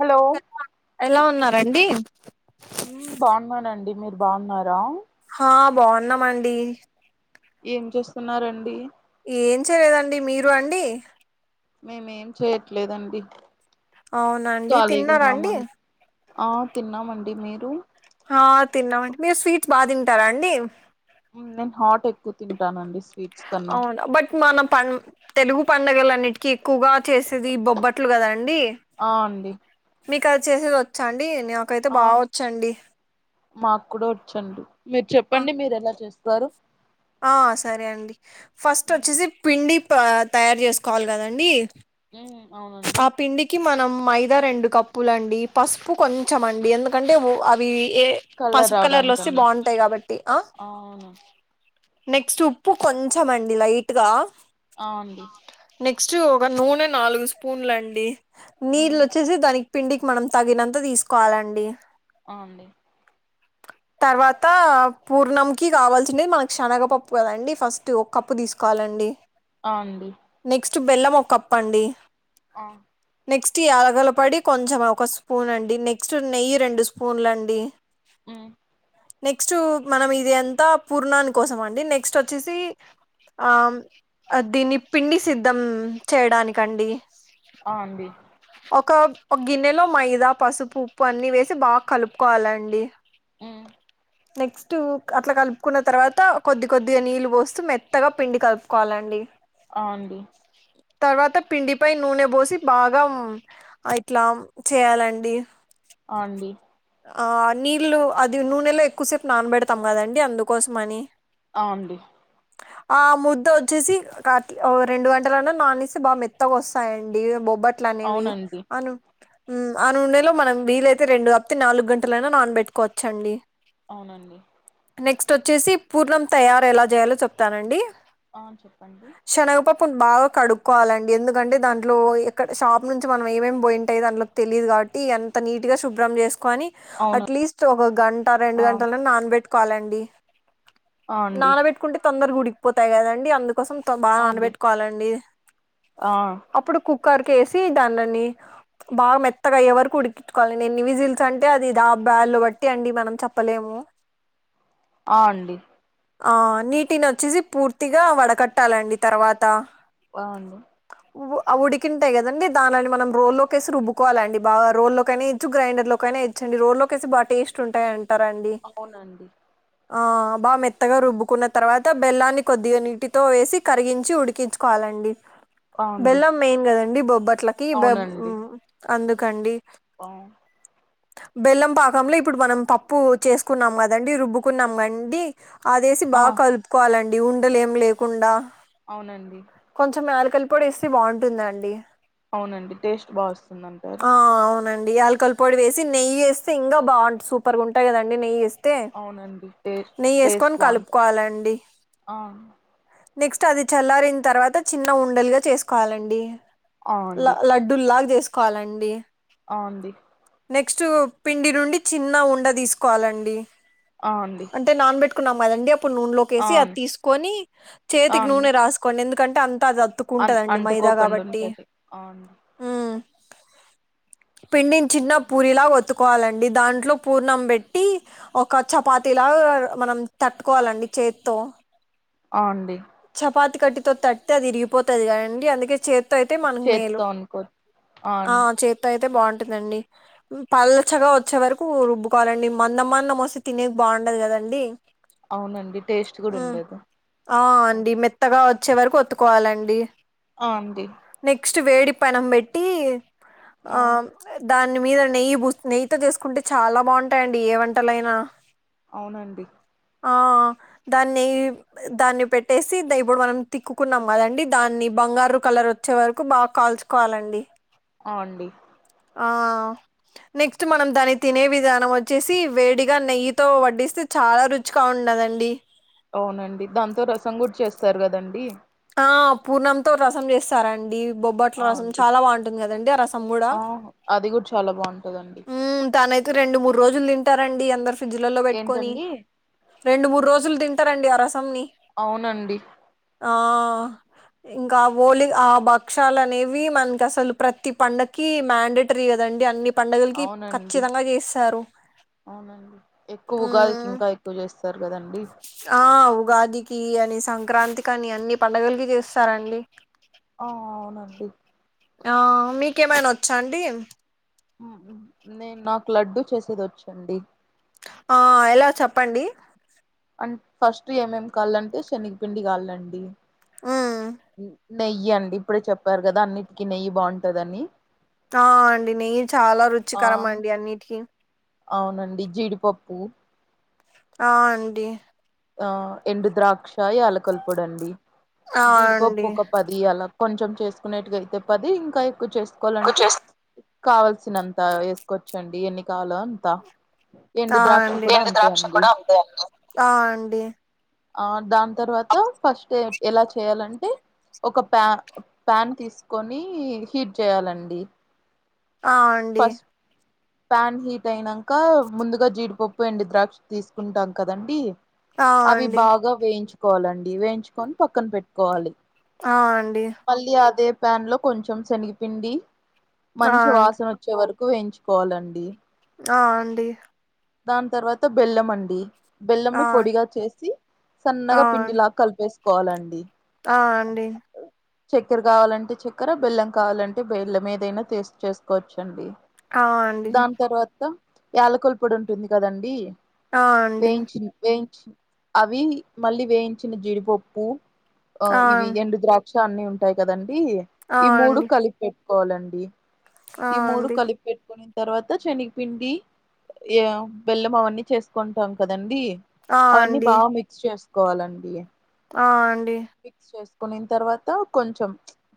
Hello ఎలా ఉన్నారండీ ఉమ్ బాగున్నానండి మీరు బాగున్నార హా బాగున్నామండి ఏం చేస్తున్నార్ అండి ఏం చేయలేదండి మీరు అండి మేమేం చేయట్లేదండి అవునా అండి తిన్నరా అండి ఆహ్ తిన్నామండి మీరు ఆ తిన్నామండి మీరు స్వీట్స్ బాగ తింటారా అండి నేన్ హాట్ ఎక్కువ తింటానండి స్వీట్స్ కన్నా అయినా బట్ మన పన్ తెలుగు పండగలన్నిటికీ ఎక్కువగా చేసేది ఈ బొబ్బట్లు గదా అండి ఆ అండి మీకు అది చేసేది వచ్చా అండి నాకైతే ఆ బాగ వచ్చండి మాకు కూడా వచ్చండి మీరు చెప్పండి మీరు ఎలా చేస్తారు ఆహ సరే అండి ఫస్ట్ వచ్చేసి పిండి త తయారు చేసుకోవాలి కదండి ఉమ్ అవునండి కి మనం మైదా రెండు కప్పులుండి పసుపు కొంచెం అండి ఎందుకంటే అవి ఏ కలర్ పసుపు కలర్లో వస్తే రావడానికండి బాగుంటాది కాబట్టి ఆ నెక్స్ట్ ఉప్పు కొంచం అండి లైట్గా ఆ అండి నెక్స్ట్ ఒక నూనె నాలుగు స్పూన్లు అండి మ్మ్ నీళ్ళు ఓచ్చేసి దానికి పిండికి మనం తగినంత తీసుకోవాలండి ఆ అండి తర్వాతా పూర్ణంకి కావాల్సినయి మన శనగపప్పు కదండి ఫస్ట్ ఒక కప్పు తీస్కోవాలండి అవునండి నెక్స్ట్ బెల్లం ఓ కప్పండి ఆ నెక్స్ట్ యాలకుల పోడి కొంచెం ఒక స్పూన్ అండి నెక్స్ట్ నెయ్యి రెండు స్పూన్లండి మ్మ్ నెక్స్ట్ మనం ఇది అంతా పూర్ణాని కోసం అండి నెక్స్ట్ ఒచ్చేసి ఆమ్ దీన్ని పిండి సిద్ధం చేయడానికండి ఆ అండి ఒక ఒక గిన్నెలో మైదా పసుపు ఉప్పు అన్ని వేసి బాగా కలుపుకోవాలండి మ్మ్ నెక్స్ట్ అట్ల కలుపుకున్న తర్వాత కొద్ది కొద్దిగా నీళ్ళు పోస్తూ మెత్తగా పిండి కలుపుకోవాలండి ఆ అండి తర్వాత పిండిపై నూనె బోసి బాగా ఆ ఇట్లా చెయాలండి ఆ అండి ఆ నీళ్ళు అది నూనెలో ఎక్కువసేపు నానబెడతాం కదండి అందుకోసం అని ఆ అండి ఆ ముద్ద వచ్చేసి కాట్ల్ ఓ రెండు గంటలన్నా నాననిస్తే బాగా మెత్తగా వస్తాయండి బొబ్బట్ ట్లనేవి అవునండి ఆను ఉ ఆ నూనెలో మనం వీలైతే రెండు కాప్తే నాలుగు గంటలైనా నానబెట్టుకోవచ్చు అండి అవునండి నెక్స్ట్ వచ్చేసి పూర్ణం తయారీ ఎలా చేయాలో చెప్తానండి ఆ చెప్పండి శనగపప్పును బాగా కడుక్కోవాలండి ఎందుకంటే దాంట్లో ఎక్కడ షాప్ నుంచి మనం ఏమేమి పోయింటాయో దాంట్లో తెలిదు కాబట్టి అంత నీటి గా శుభ్రం చేసుకుని అవును అట్లీస్ట్ ఒక గంట రెండు ఆ గంటలన నానబెట్టుకోవాలండి ఆ అండి నానబెట్టుకుంటే తొందరగ ఉడికిపోతాయి కదండి అందుకు కోసం తొ బాగా ఆ అండి నానబెట్టుకోవాలండి ఆ అప్పుడు కుక్కర్ కేసి దానీని బాగా మెత్తగా అయ్యే వరకు ఉడికి కోవాలండి ఎన్ని విజిల్స్ అంటే అది దా బ్యాలు బట్టి అండి మనం చెప్పలేము ఆ అండి ఆ నీటిని వచ్చేసి పూర్తిగా వడకట్టాలండి తర్వాత బాగుంది వ అవి ఉడికింటయి కదండి దాన్లని మనం రోల్లోకేసి రుబ్బకోవాలండి బాగ. రోల్లోకైనా ఎయొచ్చు, గ్రైండర్ లో కైనా ఎయొ చ్చండి రోల్లోకేసి బా టేస్ట్ ఉంటాయి అంటారండి. అవునండి ఆ బా మెత్తగా రుబ్బుకున్న తర్వాత, బెల్లాన్ని కొద్దిగ నీటితో వేసి కరిగించి ఉడికించుకోవాలండి. ఆ అండి బెల్లం మెయిన్ కదండి బొబ్బట్లకి, బ అవునండి మ్ అందుకండి. ఆ బెల్లం పాకంలో ఇప్పుడు మనం పప్పు చేసుకున్నాం గదండి, రుబ్బుకున్నాం గండి, అదేసి ఆ బాగా కలుపుకోవాలండి ఉండలేం లేకుండా, అవునండి. కొంచెం యాలకల పొడి ఎస్తే బావుంటుందండి. అవునండి టేస్ట్ బాగ వస్తుంది అంటారు. ఆ అవునండి. యాలకల పొడి వేసి, నెయ్యేస్తే ఇంకా బావుంట్ సూపర్గుంటాయి గదండి నెయ్యేస్తే, అవునండి టేస్ట్ టేస్ట్ నెయ్యేసుకొని బాగుంటది కలుపుకోవాలండి. ఆ నెక్స్ట్ అది చల్లారిన తర్వాత చిన్న ఉండలుగా చేసుకోవాలండి. ఆ అండి ల లడ్డూల్లాగా చేసుకోవాలండి. ఆ అండి. నెక్స్ట్ పిండినుండి చిన్న ఉండ తీసుకోవాలండి. ఆ అండి. అంటే నానబెట్టుకున్నాం గదండి, అప్పుడు ఆ నూనెలోకేసి అది తీసుకొని, ఆ చేతికి అండి నూనె రాస్ కోండి ఎందుకంటే, అంతా అది అన్ అత్తుకుంటదండి మైదా అంటుకోకుండా కాబట్టి. ఉంటది ఆ అండి మ్ పిండిని చిన్న పూరిలా ఒత్తుకోవాలండి. దాంట్లో పూర్ణం పెట్టి, ఒక చపాతిలాగా మనం తట్టుకోవాలండి చేత్తో. ఆ అండి చపాతి కట్టితో తట్తే అది ఇరిగిపోతది కదండి, అందుకే చేత్ తొ అయితే మనకు మేలు. చేత్తో అనుకోవచ్చు ఆ చేత్ తొ అయితే బావుంటుందండి. పల్చ్చగా వచ్చే వరకు రుబ్బుకోవాలండి మందం మందం వొస్తే తినేక్ బాండదు కదండి అవునండి టేస్ట్ గూడ ఉమ్. ఉండదు. ఆ అండి మెత్తగా వచ్చే వరకు ఒత్తుకోవాలండి. ఆ అండి నెక్స్ట్ వేడి పెనం పెట్టి ఆ దాని మీద నెయ్యి బుస్ నెయ్యితో చేసుకుంటే చాల బాగుంటయండి ఏ వంటలైనా. అవునండి ఆ దాన్ని దాన్ని పెట్టేసి ద ఇప్పుడు మనం తిక్కుకున్నాం కదండి, దాన్ని బంగారు కలర్ వచ్చే వరకు బాగ కాల్చ్ కోవాలండి. ఆ అండి ఆ నెక్స్ట్ మనం దాన్ని తినే విధానం వచ్చేసి, వేడిగా నెయ్యి తో వడ్డిస్తే చాలా రుచిగా ఉండదండి. అవునండి దాంతో రసం కూడా చేస్తారు కదండి ఆ పూర్ణంతో రసం చేస్తారండి బొబ్బట్ల ఆ రసం అండి చాలా బాగుంటుంది కదండి ఆ రసం కూడా! ఆ అది కూడ చాలా బాగుంటదండి. మ్ దానైతే రెండు మూడు రోజులు తింటారండి అందరు ఫ్రిడ్జ్ లల్లో పెట్టుకొని. ఏంటండి రెండు మూడు రోజులు తింటరండి ఆ రసం ని అవునండి ఆ ఇంకా ఓలి ఆ భక్షాలనేవి మనకి అసలు ప్రతి పండకి మ్యాండే టరి కదండి అన్ని పండుగలకి అవునండి ఖచ్చితంగా చేస్తారు ఉమ్మ్ తు లేస్తారు కదండి ఆ ఉగాదికి అని సంక్రాంతికి అని అన్ని పండుగలకి చేస్తారండి ఆ అవునండి ఆ మీకేమైన వచ్చాండి ఆ నేను నాకు లడ్డూ చేసేది వచ్చండి ఆ ఎలా చెప్పండి అం ఫస్ట్ ఏమేమ్ కావాలంటే శనగపిండి కావాలండి హ్మ్. నెయ్యండి ఇప్పుడే చెప్పారు కదా అన్నిటికీ నెయ్యి బాగుంటదని ఆ అండి నెయ్యి చాలా ఆ రుచికరం అండి అన్నిటికి అవునండి జీడిపప్పు ఆ అండి ఆ ఎండు ద్రాక్ష యాలకుల పొడండి ఆ! జీడిపప్పు అండి. ఒక ప ది అలా కొంచెం చేసుకున్నేట్టుగా అయితే పది ఇంకా ఎక్కువ చేసుకోవాలంటే చేస్ కావ ల్సినంత ఏసుకోవచ్చండి ఎన్నికావాలో అంతా ఆ ఆండి ఎండు ద్రాక్ష కూడా అంతే అండి ఆ అండి ఆ దాని తర్వాత ఫస్టే ఎలా చేయాలంటే ఒక ప్యా ప్యాన్ తీసుకొని హీట్ చేయాలండి ఆ ఫస్ ప్యాన్ హీట్ అయినంకా ముందుగా జీడిపప్పు ఎండు ద్రాక్ష తీసుకుంటాం కదండి ఆ అవి అండి బాగా వేయించుకోవాలండి వేయించుకొని పక్కన పెట్టుకోవాలి ఆ అండి మళ్ళీ అదే ప్యాన్‌లో కొంచెం శనిగపిండి ఆ మంచి అండి వాసన వచ్చేవరకు వేయించుకోవలండి ఆ అండి దాని తర్వాత బెల్లమండి బెల్లంని ఆ పొడిగా చేసి సన్నగా పిండిలాగా కలిపేసుకోవలండి ఆ అండి చక్కెర కావాలంటే చక్కెర బెల్లం కావాలంటే బెల్లం ఏదైనా తెసి చేేసుకోవచ్చండి ఆ దాని తర్వాత యాలకుల పొడి ఉంటుంది కదండి ఆ ఆ అండి వేయించిన వేయించ అవి మళ్ళీ వేయించిన జీడిపప్పు ఆ ఇవి ఎండు ద్రాక్ష అన్ని ఉంటాయి కదండీ ఆ ఆ ఈ మూడు అండి కలిపి పెట్టు కోవాలండి ఈ మూడు కలిపి పెట్టుకున్న తర్వాత శనగపిండి ఏ బెల్లం అవన్నీ చేసుకుంటాం కదండీ ఆ అవన్నీ అండి బాగా మి క్స్ చేసుకోవాలండి ఆ అండి మిక్స్ చేసుకునిన్ తర్వాత కొంచెం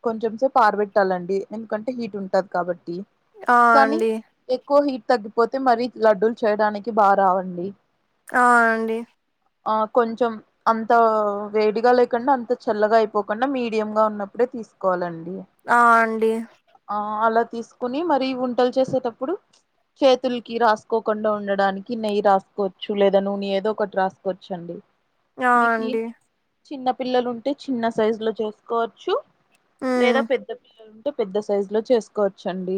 కొంచెం సేపు ఆరబెట్టాలండి ఎందుకంటే హీట్ ఉంటది కాబట్టి ఆ కానీ అండి ఎక్కువ హీట్ తగ్గిపోతే మరీ లడ్డూలు చేయడానికి బాగా రావండి ఆ అండి ఆ కొంచెం అంత వేడిగా లేకుండా అంత చల్లగా అయిపోకుండా మీడియము గా ఉన్నప్పుడే తీసుకోవాలండి ఆ అండి ఆ అలా తీసుకుని మరి వుండాలు చేసేటప్పుడు చేతులకి రాసు కోకుండా ఉండడానికి నెయ్యి రాసుకోవచ్చు లేదా నునె ఏదో ఒకటి రాసుకోవచ్చు అండి. ఆ మీకి అండి చిన్న పిల్లలు ఉంటే చిన్న సైజు లో చేసుకోవచ్చు. మ్మ్ లేదా పెద్ద పిల్లలు ఉంటే పెద్ద సైజు లో చేసుకోవచ్చండి.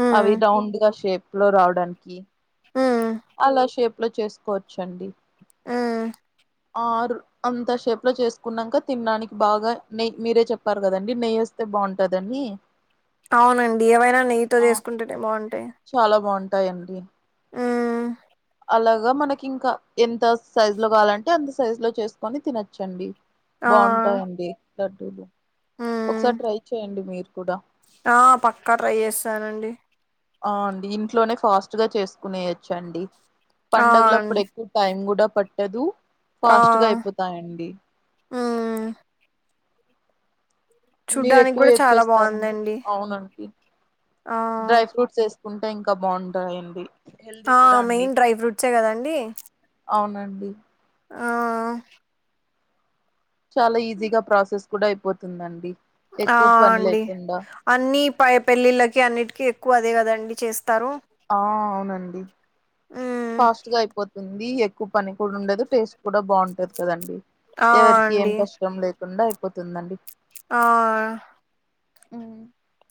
మ్మ్ అవి రౌండ్గా షేప్ లో రావడానికి హ్ అలా షేప్ లో చేసుకోవచ్చండి. మ్మ్ ఆరు అంతా షేప్ లో చేసుకున్నాక తినడానికి బాగా నెయ్యి మీరే చెప్పారు. కదండి నెయ్యి బాగుంటదని అవునండి. ఏవైనా నెయ్యితో ఆ చేసుకుంటేనే బాగుంటయి. చాలా బాగుంటాయండి. మ్మ్ అలాగా మనకి ఇంకా ఎంత సైజు లో కావాలంటే అంత సైజు లో చేసుకొని తినోచ్చండి ఆ బాగుంటాయండి. లడ్డులు మ్మ్ ఒకసారి ట్రై చేయండి. మీరు కూడా ఆ పక్కా ట్రై చేస్తానండి. ఆ అండి ఇంట్లోనే ఫాస్ట్ గా చేసుకునేయోచ్చండి. ఆ అండి పండుగలప్పుడు ఎక్కు టైం కూడా పట్టదు ఆ ఫాస్ట్గా అయిపోతాయండి. మ్మ్ మీరు చూడ్డానికి ఎక్కువ కూడా ఏది చాలా చేస్తారండి. బాగుందండి అవునండి ఆ డ్రై ఫ్రూట్స్ ఏస్త సుకుంటే ఇంకా బాగుంటాయి అండి ఆ మెయిన్ డ్రై ఫ్రూట్సే కదండి. అవునండి ఆ చాలా ఈజీగా ప్రాసెస్ కూడా అయిపోతుందండి. ఎక్కువ పని లేకుండా అన్నీ ప పెళ్ళిళ్ళకి అన్నిటికీ ఎక్కువ అదే కదా అండి చేస్తారు. ఆ అవునండి మ్మ్ ఫాస్ట్ గా అయిపోతుంది. ఎక్కువ పని కూడా ఉండదు. టేస్ట్ కూడా బాగుంటది. కదండి ఆ ఎవరికి ఏం అండి కష్టం లేకుండా అయిపోతుందండి. ఆ హ్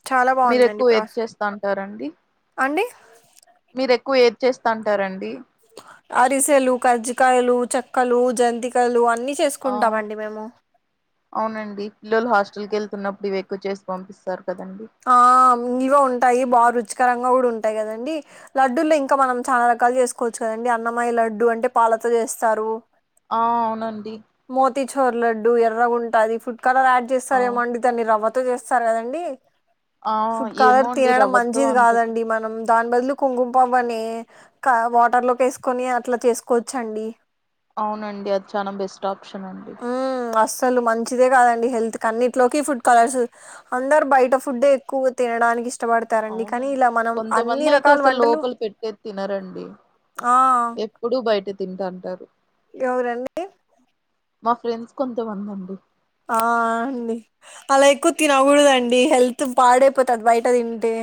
చాలా మీరు బాగుందండి ఎక్కువ ఏది ప్రాస చేస్తాంటారండి. అండి మీరు ఎక్కువ ఏది చేస్తాంటారండి. అరిసెలు కజ్జికయలు చెక్కలు జంతికలు అన్ని చేసు ఆ అవునండి. పిల్లలు హాస్టల్కి ఎళ్తున్నప్పుడు ఇవి ఎక్కువ చేసి పంపిస్తారు. కదండి ఆ ఇవ ఉంటాయి. బాగా రుచికరంగా కూడా ఉంటాయి. కదండి లడ్డుల్లో ఇంకా మనం చాన రకాలు చేసుకోచ్చు కదండి. అన్నమాయ లడ్డు అంటే పాలతో చేస్తారు. ఆ అవునండి మోతీచోరు లడ్డు ఎర్రగుంటది. ఫుడ్ కలర్ యాడ్ ఆ చేస్తారేమో అండి. దాన్ని రవ్వతో చేస్తారు కదండి ఆ ఫుడ్ కాలర్ ఏమో అండి తినడం రవ్వతో మంచిది అంత కాదండి. మనం దాని బదులు కుంకుమ పువ్వు అనే కాదా వాటర్ లోకి వేసుకొని అట్లా చేసుకోవచ్చండి. అవునండి. అది చాలా బెస్ట్ ఆప్షన్ అండి. అస్సలు మంచిదే కాదండి. హెల్త్కి అన్నింటిలోకి ఫుడ్ కలర్స్ అందరు బయట ఫుడ్ ఎక్కువగా తినడానికి ఇ ష్టపడతారండి కనీ అవునండి ఇలా మనం అన్ని కొంతమంది అయితే రకాల అసలు వంటలు లోపల ఆ ఎప్పుడు బయటే తింట అంటారు ఎవరండి మా ఫ్రెండ్స్ కొంతమందండి ఆ అండి అలా ఎక్కువ తినకూడదండి హెల్త్ పాడైపోతది బయట తింటే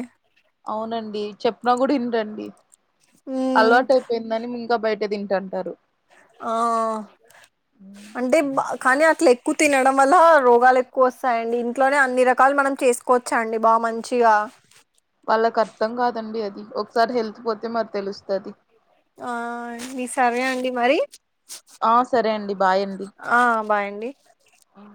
అవునండి చెప్పిన కూడ ఇన్రండి మ్మ్ అలవాటైయిపోయిందని ఇంకా బయట తింట అంటారు ఆ అంటే కానీ అట్ల ఎక్కువ తినడం వల్ల రోగాలెక్కు వస్తాయండి ఇంట్లోనే అన్ని రకాలు మనం చేసు కోచ్చండి బా మంచిగా వాళ్ళకర్థం కాదండి అది ఒక్సారి హెల్త్ పోతే మరి తెలుస్తది ఆ సరే అండి మరి ఆ సరే అండి బాయ్ అండి ఆ బాయ్ అండి ఉమ్